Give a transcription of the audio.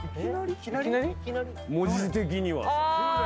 文字的にはさ。